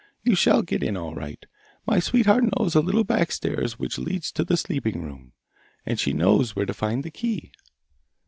You shall get in all right. My sweetheart knows a little back stairs which leads to the sleeping room, and she knows where to find the key.